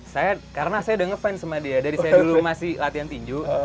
saya karena saya udah ngefans sama dia dari saya dulu masih latihan tinju